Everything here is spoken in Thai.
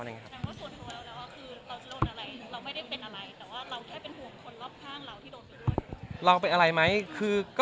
ส่วนทวนแล้วคือเราจะโดนอะไรเราไม่ได้เป็นอะไร